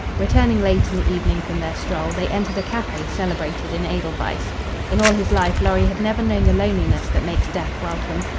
Returning late in the evening from their stroll, they entered a cafe celebrated in Edelweiss. In all his life Lorry had never known the loneliness that makes death welcome.